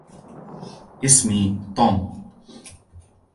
إسمي توم.